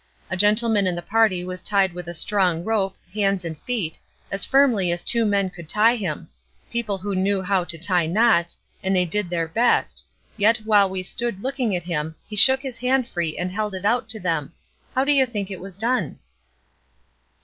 A gentleman in the party was tied with a strong rope, hands and feet, as firmly as two men could tie him, people who knew how to tie knots, and they did their best; yet while we stood looking at him he shook his hand free and held it out to them. How do you think it was done?"